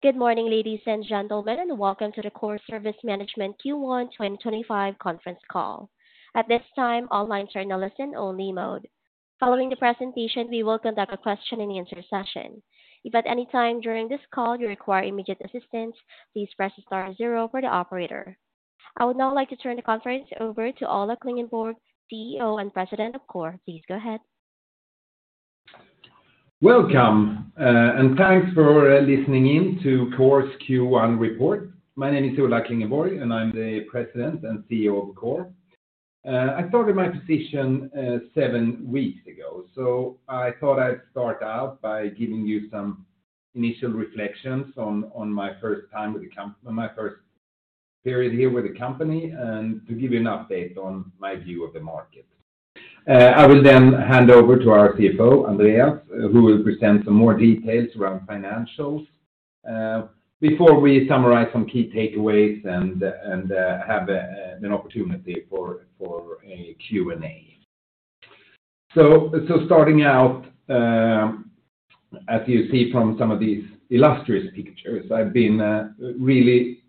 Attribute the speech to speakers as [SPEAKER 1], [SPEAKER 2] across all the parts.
[SPEAKER 1] Good morning, ladies and gentlemen, and welcome to the Coor Service Management Q1 2025 conference call. At this time, all lines are in a listen-only mode. Following the presentation, we will conduct a question-and-answer session. If at any time during this call you require immediate assistance, please press star zero for the operator. I would now like to turn the conference over to Ola Klingenborg, CEO and President of Coor. Please go ahead.
[SPEAKER 2] Welcome, and thanks for listening in to Coor's Q1 report. My name is Ola Klingenborg, and I'm the President and CEO of Coor. I started my position seven weeks ago, so I thought I'd start out by giving you some initial reflections on my first time with the company, my first period here with the company, and to give you an update on my view of the market. I will then hand over to our CFO, Andreas, who will present some more details around financials before we summarize some key takeaways and have an opportunity for a Q&A. As you see from some of these illustrious pictures, I've been really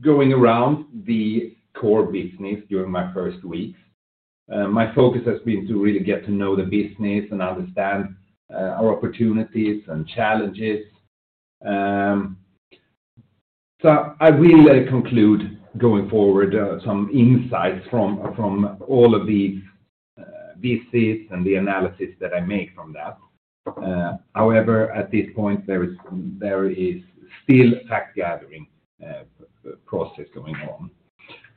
[SPEAKER 2] going around the core business during my first weeks. My focus has been to really get to know the business and understand our opportunities and challenges. I will conclude going forward some insights from all of these visits and the analysis that I make from that. However, at this point, there is still a fact gathering process going on.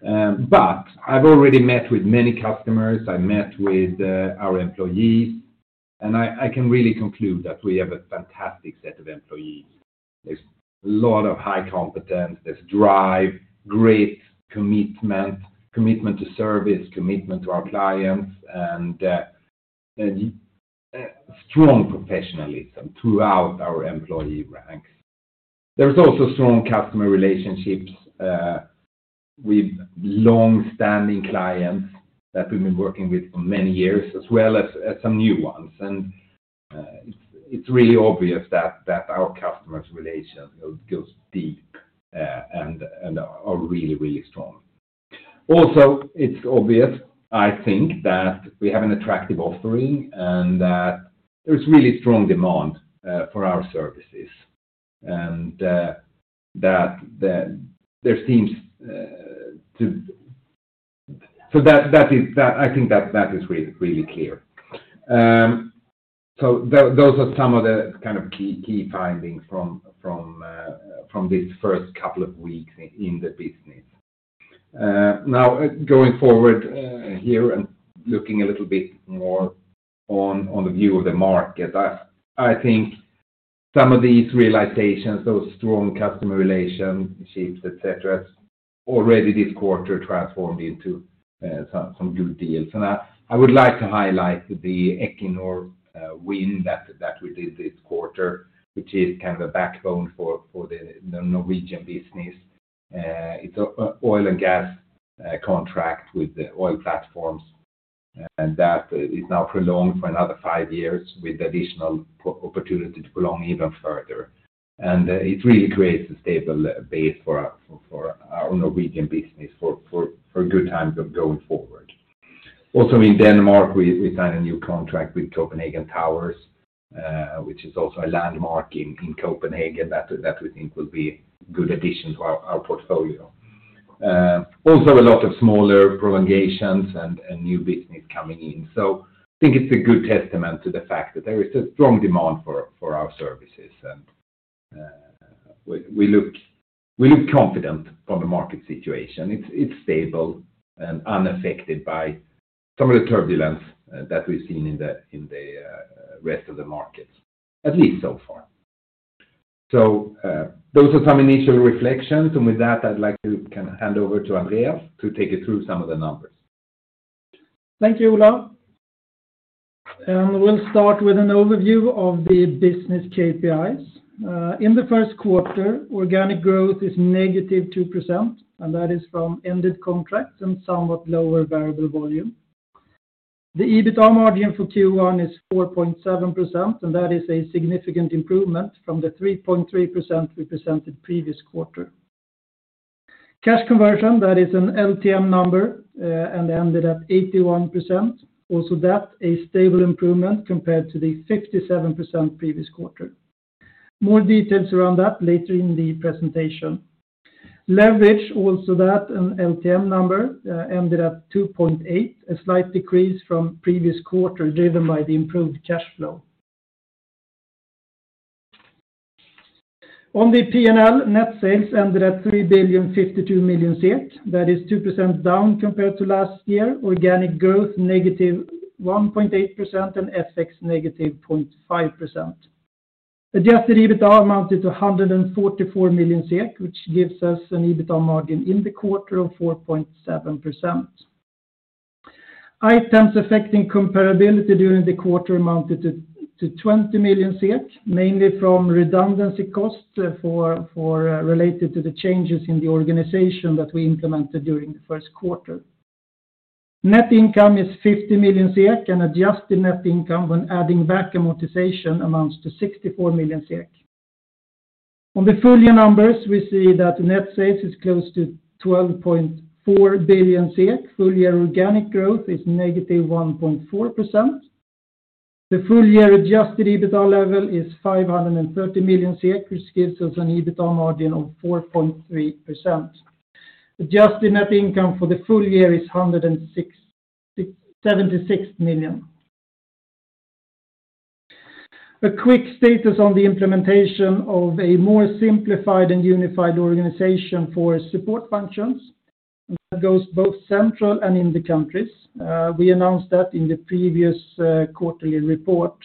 [SPEAKER 2] I've already met with many customers. I met with our employees, and I can really conclude that we have a fantastic set of employees. There's a lot of high competence. There's drive, grit, commitment, commitment to service, commitment to our clients, and strong professionalism throughout our employee ranks. There's also strong customer relationships with long-standing clients that we've been working with for many years, as well as some new ones. It's really obvious that our customers' relationship goes deep and are really, really strong. Also, it's obvious, I think, that we have an attractive offering and that there's really strong demand for our services and that there seems to—I think that that is really, really clear. Those are some of the kind of key findings from this first couple of weeks in the business. Now, going forward here and looking a little bit more on the view of the market, I think some of these realizations, those strong customer relationships, etc., already this quarter transformed into some good deals. I would like to highlight the Equinor win that we did this quarter, which is kind of a backbone for the Norwegian business. It's an oil and gas contract with the oil platforms that is now prolonged for another five years with additional opportunity to prolong even further. It really creates a stable base for our Norwegian business for good times going forward. Also, in Denmark, we signed a new contract with Copenhagen Towers, which is also a landmark in Copenhagen that we think will be a good addition to our portfolio. Also, a lot of smaller prolongations and new business coming in. I think it's a good testament to the fact that there is a strong demand for our services. We look confident from the market situation. It's stable and unaffected by some of the turbulence that we've seen in the rest of the markets, at least so far. Those are some initial reflections. With that, I'd like to kind of hand over to Andreas to take you through some of the numbers.
[SPEAKER 3] Thank you, Ola. We will start with an overview of the business KPIs. In the first quarter, organic growth is negative 2%, and that is from ended contracts and somewhat lower variable volume. The EBITA margin for Q1 is 4.7%, and that is a significant improvement from the 3.3% we presented previous quarter. Cash conversion, that is an LTM number and ended at 81%. Also, that is a stable improvement compared to the 67% previous quarter. More details around that later in the presentation. Leverage, also that, an LTM number, ended at 2.8, a slight decrease from previous quarter driven by the improved cash flow. On the P&L, net sales ended at 3,052,000,000. That is 2% down compared to last year. Organic growth -1.8% and FX -0.5%. Adjusted EBITA amounted to 144 million SEK, which gives us an EBITA margin in the quarter of 4.7%. Items affecting comparability during the quarter amounted to 20 million SEK, mainly from redundancy costs related to the changes in the organization that we implemented during the first quarter. Net income is 50 million SEK, and adjusted net income when adding back amortization amounts to 64 million SEK. On the full year numbers, we see that net sales is close to 12.4 billion SEK. Full year organic growth is -1.4%. The full year adjusted EBITA level is 530 million, which gives us an EBITA margin of 4.3%. Adjusted net income for the full year is 176 million. A quick status on the implementation of a more simplified and unified organization for support functions. That goes both central and in the countries. We announced that in the previous quarterly report.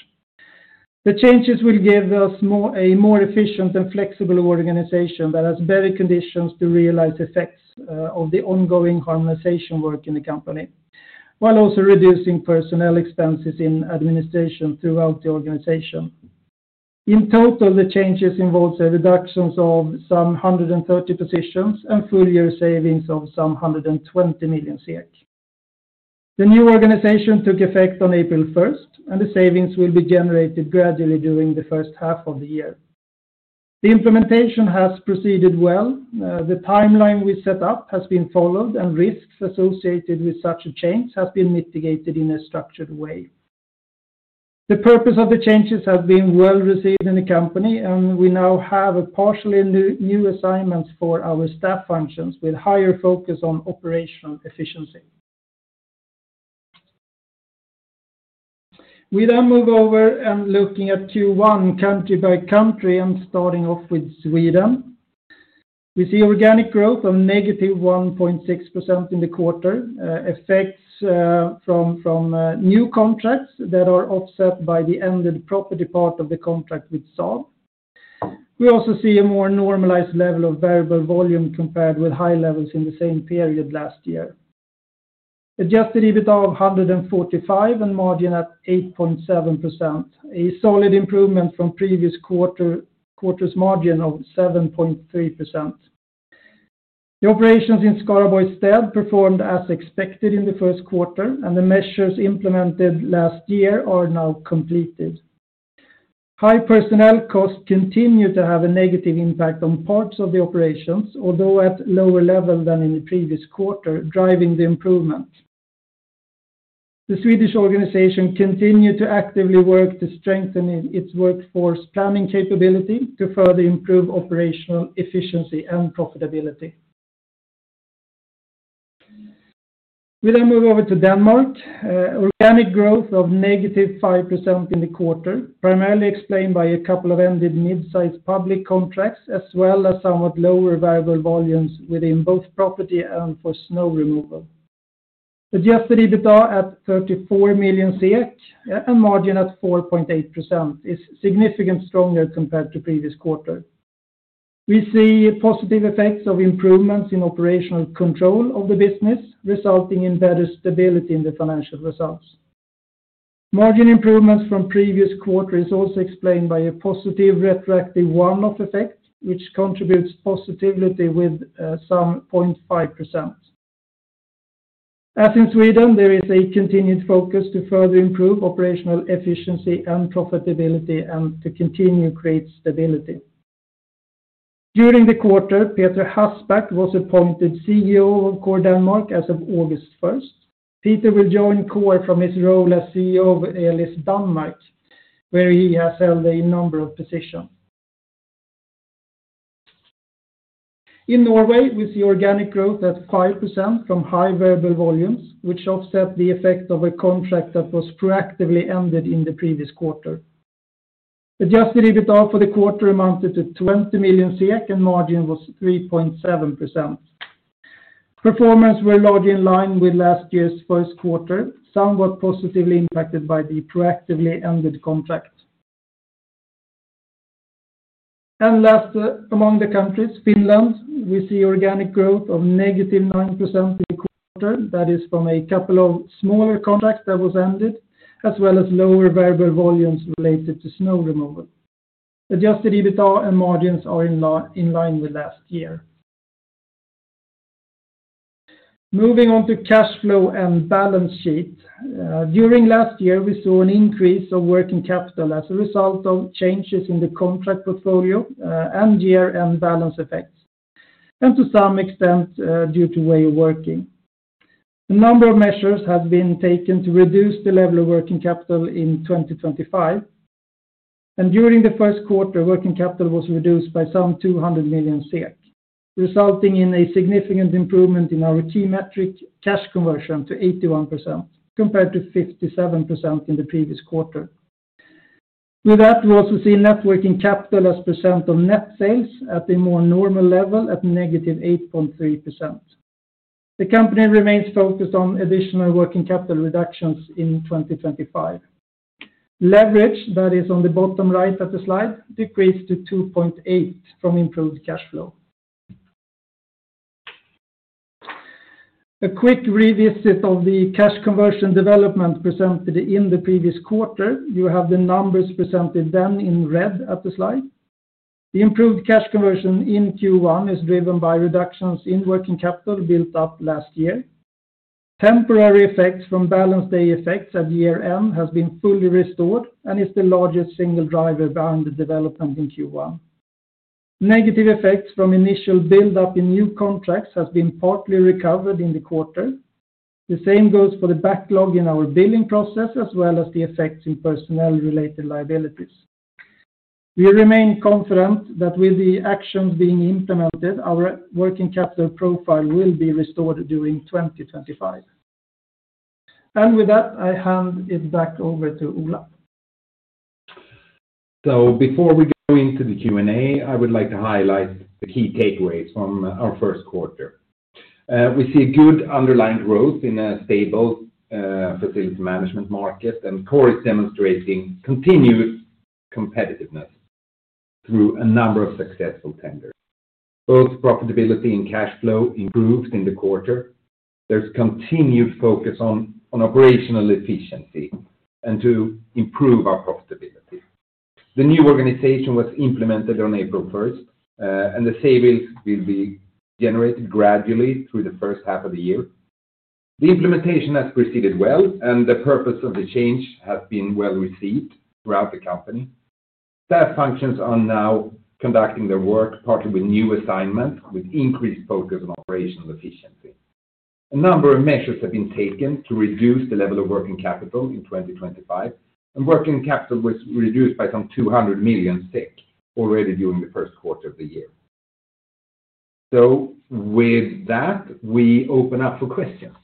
[SPEAKER 3] The changes will give us a more efficient and flexible organization that has better conditions to realize effects of the ongoing harmonization work in the company while also reducing personnel expenses in administration throughout the organization. In total, the changes involve reductions of some 130 positions and full year savings of some 120 million SEK. The new organization took effect on April 1st, and the savings will be generated gradually during the first half of the year. The implementation has proceeded well. The timeline we set up has been followed, and risks associated with such a change have been mitigated in a structured way. The purpose of the changes has been well received in the company, and we now have partially new assignments for our staff functions with higher focus on operational efficiency. We then move over and look at Q1 country by country and starting off with Sweden. We see organic growth of -1.6% in the quarter, effects from new contracts that are offset by the ended property part of the contract with Saab. We also see a more normalized level of variable volume compared with high levels in the same period last year. Adjusted EBITA of 145 million and margin at 8.7%, a solid improvement from previous quarter's margin of 7.3%. The operations in Skaraborg performed as expected in the first quarter, and the measures implemented last year are now completed. High personnel costs continue to have a negative impact on parts of the operations, although at a lower level than in the previous quarter, driving the improvement. The Swedish organization continues to actively work to strengthen its workforce planning capability to further improve operational efficiency and profitability. We then move over to Denmark. Organic growth of -5% in the quarter, primarily explained by a couple of ended mid-sized public contracts as well as somewhat lower variable volumes within both property and for snow removal. Adjusted EBITA at 34 million SEK and margin at 4.8% is significantly stronger compared to previous quarter. We see positive effects of improvements in operational control of the business, resulting in better stability in the financial results. Margin improvements from previous quarters also explained by a positive retroactive one-off effect, which contributes positively with some 0.5%. As in Sweden, there is a continued focus to further improve operational efficiency and profitability and to continue to create stability. During the quarter, Peter Hasbak was appointed CEO of Coor Denmark as of August 1. Peter will join Coor from his role as CEO of Elis Denmark, where he has held a number of positions. In Norway, we see organic growth at 5% from high variable volumes, which offset the effect of a contract that was proactively ended in the previous quarter. Adjusted EBITA for the quarter amounted to 20 million SEK, and margin was 3.7%. Performance was largely in line with last year's first quarter, somewhat positively impacted by the proactively ended contract. Last, among the countries, Finland, we see organic growth of -9% in the quarter. That is from a couple of smaller contracts that were ended, as well as lower variable volumes related to snow removal. Adjusted EBITA and margins are in line with last year. Moving on to cash flow and balance sheet. During last year, we saw an increase of working capital as a result of changes in the contract portfolio, end year, and balance effects, and to some extent due to way of working. A number of measures have been taken to reduce the level of working capital in 2025. During the first quarter, working capital was reduced by some 200 million SEK, resulting in a significant improvement in our key metric, cash conversion, to 81% compared to 57% in the previous quarter. With that, we also see net working capital as percent of net sales at a more normal level at -8.3%. The company remains focused on additional working capital reductions in 2025. Leverage, that is on the bottom right of the slide, decreased to 2.8 from improved cash flow. A quick revisit of the cash conversion development presented in the previous quarter. You have the numbers presented then in red at the slide. The improved cash conversion in Q1 is driven by reductions in working capital built up last year. Temporary effects from balance day effects at year end have been fully restored and is the largest single driver behind the development in Q1. Negative effects from initial build-up in new contracts have been partly recovered in the quarter. The same goes for the backlog in our billing process, as well as the effects in personnel-related liabilities. We remain confident that with the actions being implemented, our working capital profile will be restored during 2025. With that, I hand it back over to Ola.
[SPEAKER 2] Before we go into the Q&A, I would like to highlight the key takeaways from our first quarter. We see good underlying growth in a stable facility management market, and Coor is demonstrating continued competitiveness through a number of successful tenders. Both profitability and cash flow improved in the quarter. There is continued focus on operational efficiency and to improve our profitability. The new organization was implemented on April 1st, and the savings will be generated gradually through the first half of the year. The implementation has proceeded well, and the purpose of the change has been well received throughout the company. Staff functions are now conducting their work partly with new assignments, with increased focus on operational efficiency. A number of measures have been taken to reduce the level of working capital in 2025, and working capital was reduced by some 200 million already during the first quarter of the year. With that, we open up for questions.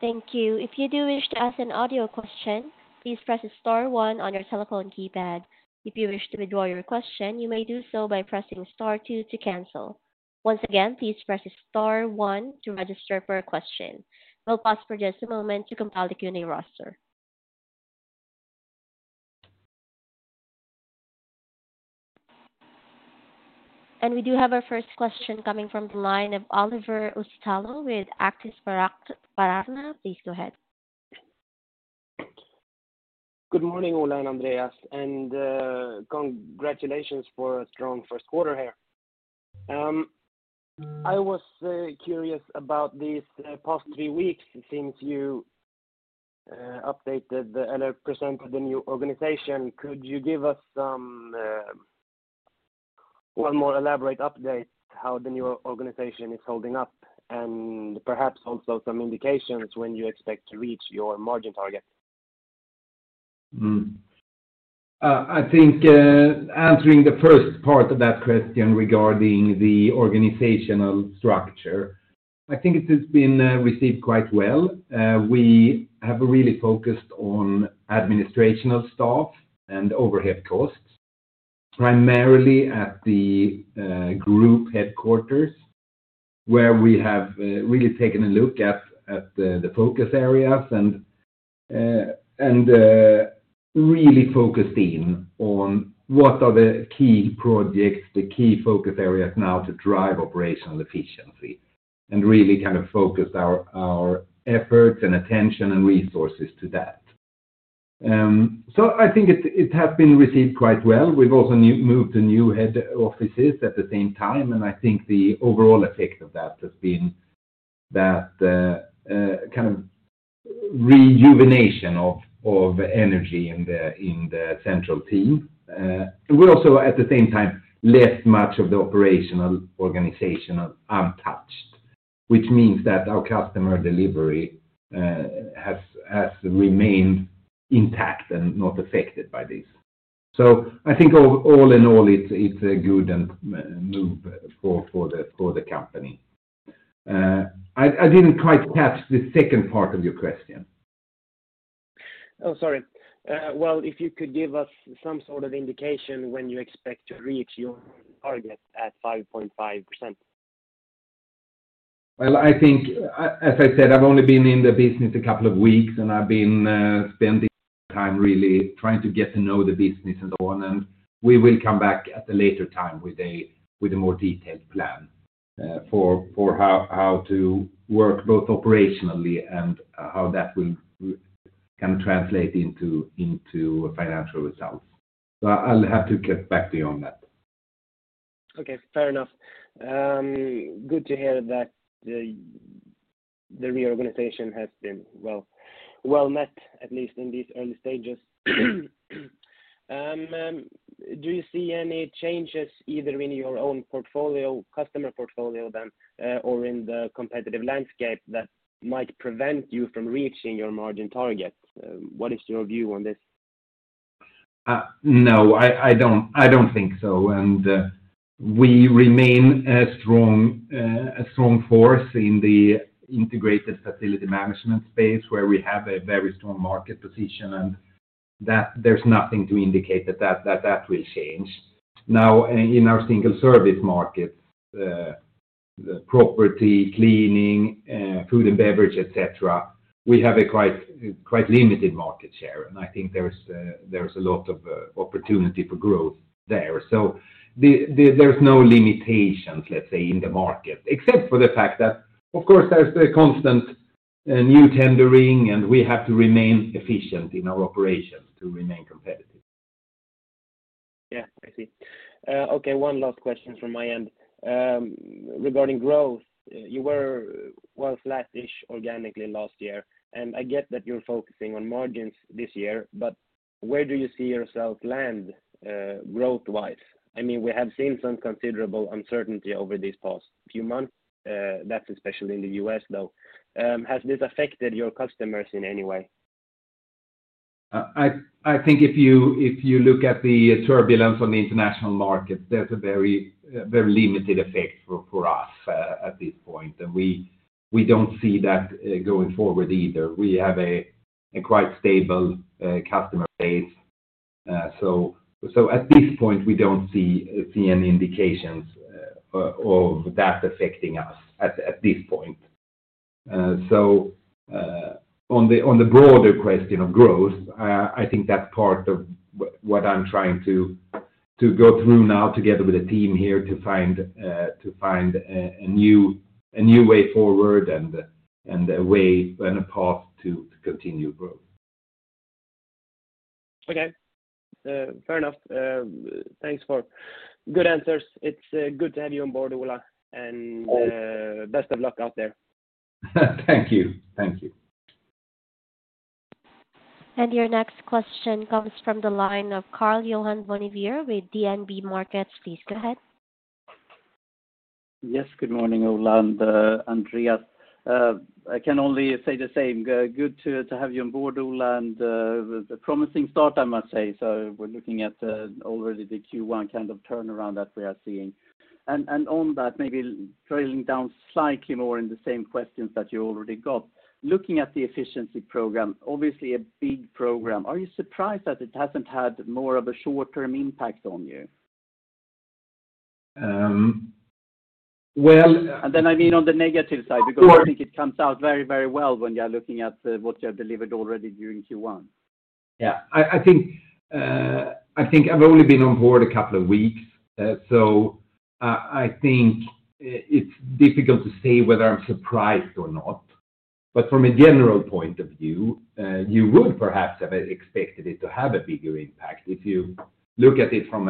[SPEAKER 1] Thank you. If you do wish to ask an audio question, please press star one on your telephone keypad. If you wish to withdraw your question, you may do so by pressing star two to cancel. Once again, please press star one to register for a question. We'll pause for just a moment to compile the Q&A roster. We do have our first question coming from the line of Oliver Uusitalo with Aktiespararna. Please go ahead.
[SPEAKER 4] Good morning, Ola and Andreas, and congratulations for a strong first quarter here. I was curious about these past three weeks since you updated and presented the new organization. Could you give us one more elaborate update on how the new organization is holding up and perhaps also some indications when you expect to reach your margin target?
[SPEAKER 2] I think answering the first part of that question regarding the organizational structure, I think it has been received quite well. We have really focused on administrational staff and overhead costs, primarily at the group headquarters, where we have really taken a look at the focus areas and really focused in on what are the key projects, the key focus areas now to drive operational efficiency, and really kind of focused our efforts and attention and resources to that. I think it has been received quite well. We've also moved to new head offices at the same time, and I think the overall effect of that has been that kind of rejuvenation of energy in the central team. We also, at the same time, left much of the operational organization untouched, which means that our customer delivery has remained intact and not affected by this. I think all in all, it's a good move for the company. I didn't quite catch the second part of your question.
[SPEAKER 4] Oh, sorry. If you could give us some sort of indication when you expect to reach your target at 5.5%.
[SPEAKER 2] I think, as I said, I've only been in the business a couple of weeks, and I've been spending time really trying to get to know the business and so on. We will come back at a later time with a more detailed plan for how to work both operationally and how that will kind of translate into financial results. I'll have to get back to you on that.
[SPEAKER 4] Okay. Fair enough. Good to hear that the reorganization has been well met, at least in these early stages. Do you see any changes either in your own portfolio, customer portfolio, or in the competitive landscape that might prevent you from reaching your margin target? What is your view on this?
[SPEAKER 2] No, I don't think so. We remain a strong force in the integrated facility management space, where we have a very strong market position, and there's nothing to indicate that that will change. In our single service markets, property, cleaning, food and beverage, etc., we have a quite limited market share, and I think there's a lot of opportunity for growth there. There's no limitations, let's say, in the market, except for the fact that, of course, there's the constant new tendering, and we have to remain efficient in our operations to remain competitive.
[SPEAKER 4] Yeah, I see. Okay, one last question from my end. Regarding growth, you were well flattish organically last year, and I get that you're focusing on margins this year, but where do you see yourself land growth-wise? I mean, we have seen some considerable uncertainty over these past few months. That's especially in the U.S., though. Has this affected your customers in any way?
[SPEAKER 2] I think if you look at the turbulence on the international markets, there's a very limited effect for us at this point, and we don't see that going forward either. We have a quite stable customer base. At this point, we don't see any indications of that affecting us at this point. On the broader question of growth, I think that's part of what I'm trying to go through now together with the team here to find a new way forward and a way and a path to continue growth.
[SPEAKER 4] Okay. Fair enough. Thanks for good answers. It's good to have you on board, Ola, and best of luck out there.
[SPEAKER 2] Thank you. Thank you.
[SPEAKER 1] Your next question comes from the line of Karl-Johan Bonnevier with DNB Markets. Please go ahead.
[SPEAKER 5] Yes, good morning, Ola and Andreas. I can only say the same. Good to have you on board, Ola, and a promising start, I must say. We're looking at already the Q1 kind of turnaround that we are seeing. On that, maybe trailing down slightly more in the same questions that you already got. Looking at the efficiency program, obviously a big program, are you surprised that it hasn't had more of a short-term impact on you?
[SPEAKER 2] Well.
[SPEAKER 5] I mean on the negative side because I think it comes out very, very well when you're looking at what you have delivered already during Q1.
[SPEAKER 2] Yeah. I think I've only been on board a couple of weeks, so I think it's difficult to say whether I'm surprised or not. From a general point of view, you would perhaps have expected it to have a bigger impact if you look at it from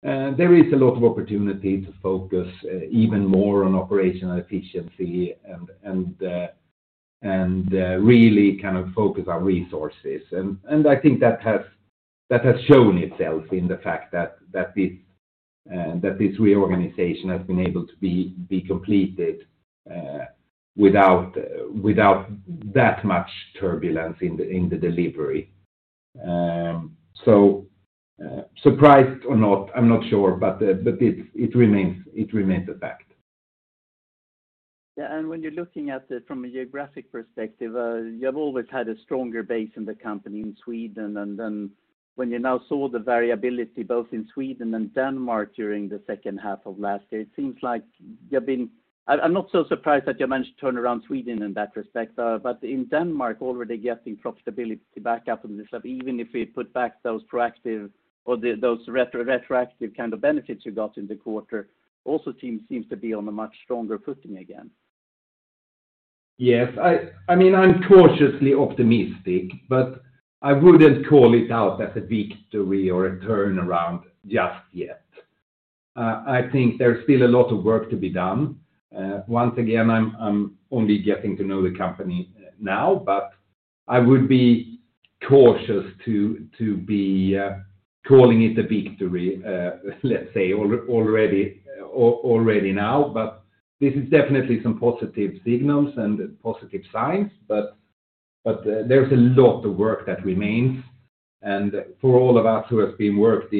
[SPEAKER 2] an external perspective. I think there is a lot of opportunity to focus even more on operational efficiency and really kind of focus our resources. I think that has shown itself in the fact that this reorganization has been able to be completed without that much turbulence in the delivery. Surprised or not, I'm not sure, but it remains a fact.
[SPEAKER 5] Yeah. When you're looking at it from a geographic perspective, you have always had a stronger base in the company in Sweden. Then when you now saw the variability both in Sweden and Denmark during the second half of last year, it seems like you've been—I am not so surprised that you managed to turn around Sweden in that respect, but in Denmark, already getting profitability back up on this level, even if we put back those proactive or those retroactive kind of benefits you got in the quarter, also seems to be on a much stronger footing again.
[SPEAKER 2] Yes. I mean, I'm cautiously optimistic, but I wouldn't call it out as a victory or a turnaround just yet. I think there's still a lot of work to be done. Once again, I'm only getting to know the company now, but I would be cautious to be calling it a victory, let's say, already now. This is definitely some positive signals and positive signs, but there's a lot of work that remains. For all of us who have worked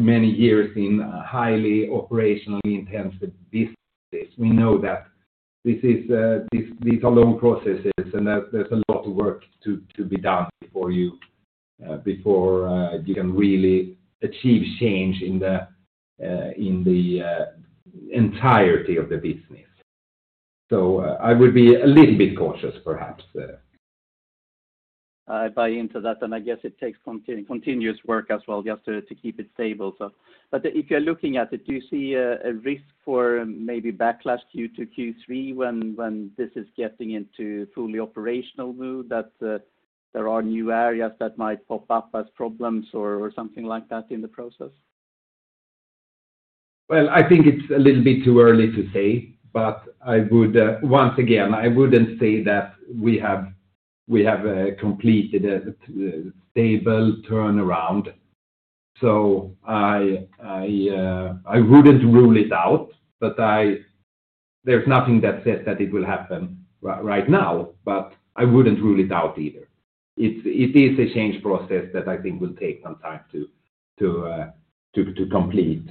[SPEAKER 2] many years in highly operationally intensive businesses, we know that these are long processes and there's a lot of work to be done before you can really achieve change in the entirety of the business. I would be a little bit cautious, perhaps.
[SPEAKER 5] I buy into that, and I guess it takes continuous work as well just to keep it stable. If you're looking at it, do you see a risk for maybe backlash due to Q3 when this is getting into fully operational mode, that there are new areas that might pop up as problems or something like that in the process?
[SPEAKER 2] I think it's a little bit too early to say, but once again, I wouldn't say that we have completed a stable turnaround. I wouldn't rule it out, but there's nothing that says that it will happen right now, but I wouldn't rule it out either. It is a change process that I think will take some time to complete.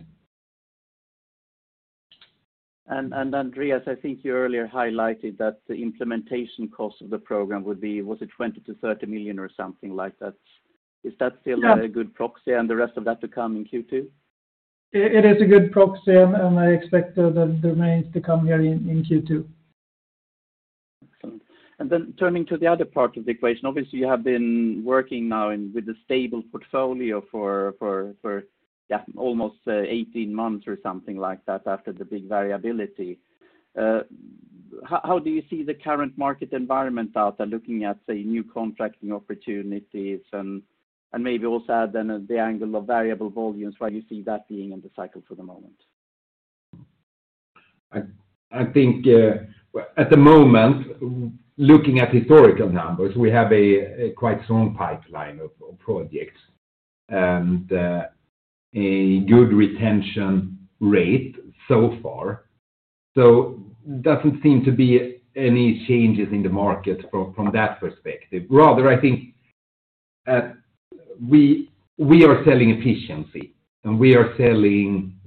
[SPEAKER 5] Andreas, I think you earlier highlighted that the implementation cost of the program would be—was it 20 million-30 million or something like that? Is that still a good proxy? And the rest of that to come in Q2?
[SPEAKER 3] It is a good proxy, and I expect the remains to come here in Q2.
[SPEAKER 5] Excellent. Turning to the other part of the equation, obviously, you have been working now with a stable portfolio for almost 18 months or something like that after the big variability. How do you see the current market environment out there, looking at, say, new contracting opportunities and maybe also add the angle of variable volumes? Where do you see that being in the cycle for the moment?
[SPEAKER 2] I think at the moment, looking at historical numbers, we have a quite strong pipeline of projects and a good retention rate so far. It does not seem to be any changes in the market from that perspective. Rather, I think we are selling efficiency, and we are selling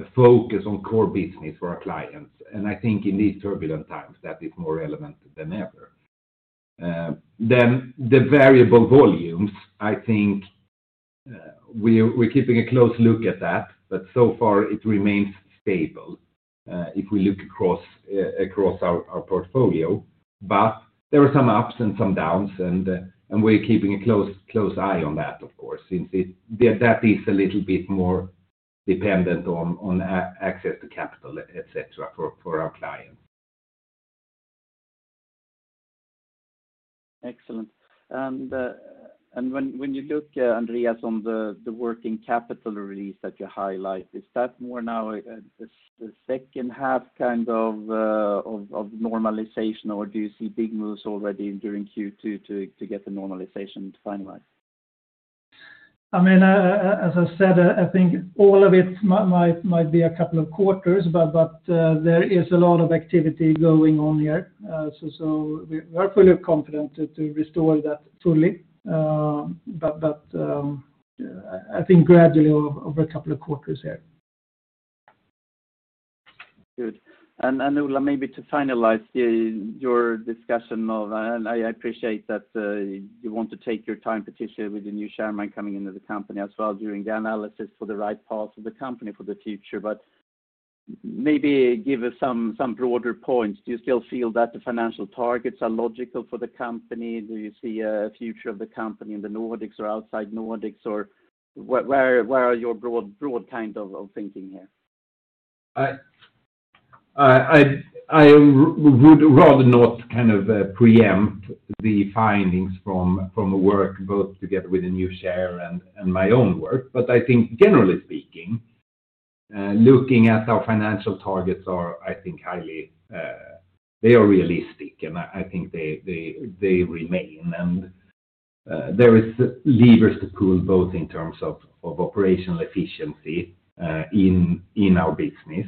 [SPEAKER 2] a focus on core business for our clients. I think in these turbulent times, that is more relevant than ever. The variable volumes, I think we are keeping a close look at that, but so far it remains stable if we look across our portfolio. There are some ups and some downs, and we are keeping a close eye on that, of course, since that is a little bit more dependent on access to capital, etc., for our clients.
[SPEAKER 5] Excellent. When you look, Andreas, on the working capital release that you highlight, is that more now the second half kind of normalization, or do you see big moves already during Q2 to get the normalization finalized?
[SPEAKER 3] I mean, as I said, I think all of it might be a couple of quarters, but there is a lot of activity going on here. We are fully confident to restore that fully, but I think gradually over a couple of quarters here.
[SPEAKER 5] Good. Ola, maybe to finalize your discussion, I appreciate that you want to take your time, particularly with the new chairman coming into the company as well, doing the analysis for the right path of the company for the future. Maybe give us some broader points. Do you still feel that the financial targets are logical for the company? Do you see a future of the company in the Nordics or outside Nordics, or where are your broad kind of thinking here?
[SPEAKER 2] I would rather not kind of preempt the findings from the work, both together with the new chair and my own work. I think, generally speaking, looking at our financial targets, I think, highly—they are realistic, and I think they remain. There are levers to pull both in terms of operational efficiency in our business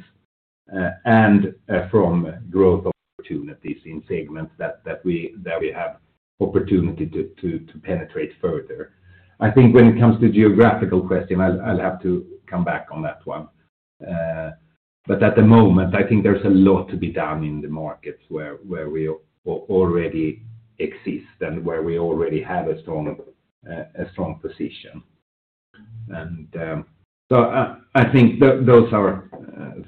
[SPEAKER 2] and from growth opportunities in segments that we have opportunity to penetrate further. I think when it comes to the geographical question, I'll have to come back on that one. At the moment, I think there's a lot to be done in the markets where we already exist and where we already have a strong position. I think those are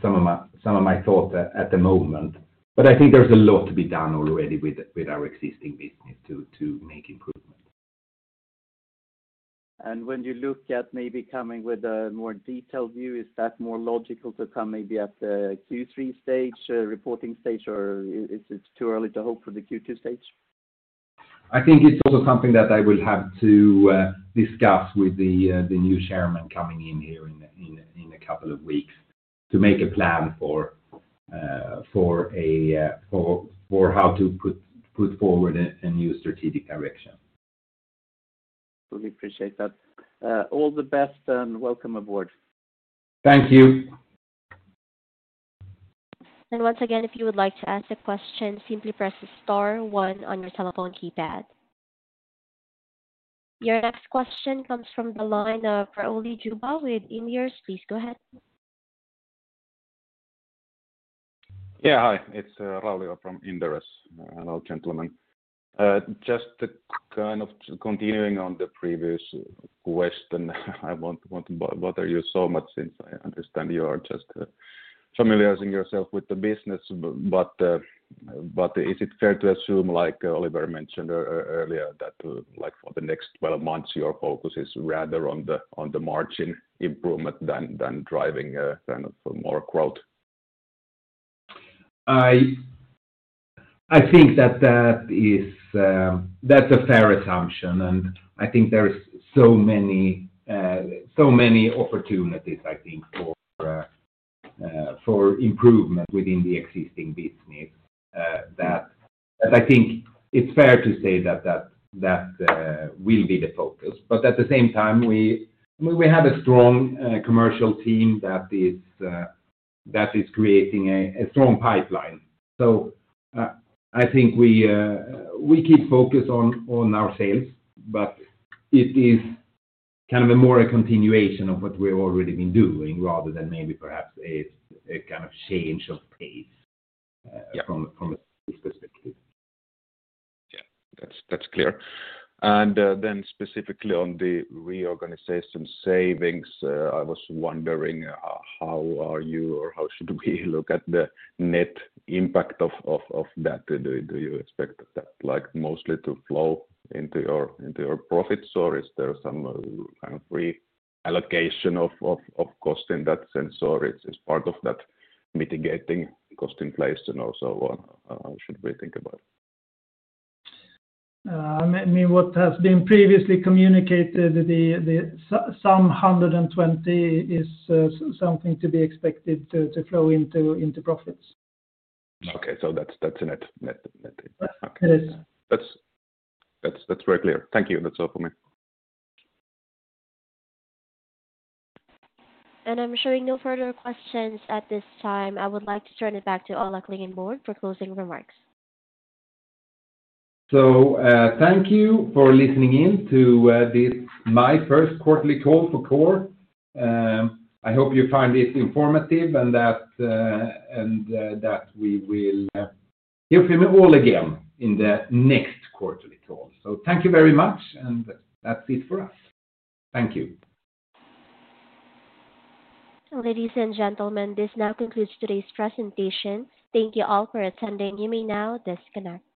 [SPEAKER 2] some of my thoughts at the moment. I think there's a lot to be done already with our existing business to make improvements.
[SPEAKER 5] When you look at maybe coming with a more detailed view, is that more logical to come maybe at the Q3 stage, reporting stage, or is it too early to hope for the Q2 stage?
[SPEAKER 2] I think it's also something that I will have to discuss with the new Chairman coming in here in a couple of weeks to make a plan for how to put forward a new strategic direction.
[SPEAKER 5] We appreciate that. All the best and welcome aboard.
[SPEAKER 2] Thank you.
[SPEAKER 1] Once again, if you would like to ask a question, simply press the star one on your telephone keypad. Your next question comes from the line of Rauli Juva with Inderes. Please go ahead.
[SPEAKER 6] Yeah, hi. It's Rauli from Inderes, a gentleman. Just kind of continuing on the previous question, I want to bother you so much since I understand you are just familiarizing yourself with the business. Is it fair to assume, like Oliver mentioned earlier, that for the next 12 months, your focus is rather on the margin improvement than driving kind of more growth?
[SPEAKER 2] I think that that's a fair assumption, and I think there are so many opportunities, I think, for improvement within the existing business that I think it's fair to say that that will be the focus. At the same time, we have a strong commercial team that is creating a strong pipeline. I think we keep focus on our sales, but it is kind of more a continuation of what we've already been doing rather than maybe perhaps a kind of change of pace from a sales perspective.
[SPEAKER 6] Yeah. That's clear. Then specifically on the reorganization savings, I was wondering how are you or how should we look at the net impact of that? Do you expect that mostly to flow into your profits, or is there some kind of reallocation of cost in that sense? Is part of that mitigating cost in place and also what should we think about?
[SPEAKER 3] I mean, what has been previously communicated, the sum 120 million is something to be expected to flow into profits.
[SPEAKER 6] Okay. So that's a net impact.
[SPEAKER 3] Yes
[SPEAKER 6] That's very clear. Thank you. That's all for me.
[SPEAKER 1] I am showing no further questions at this time. I would like to turn it back to Ola Klingenborg for closing remarks.
[SPEAKER 2] Thank you for listening in to my first quarterly call for Coor. I hope you find it informative and that we will hear from you all again in the next quarterly call. Thank you very much, and that's it for us. Thank you.
[SPEAKER 1] Ladies and gentlemen, this now concludes today's presentation. Thank you all for attending. You may now disconnect.